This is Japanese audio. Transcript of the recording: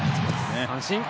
三振。